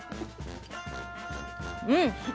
うん。